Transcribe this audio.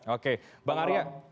oke bang arya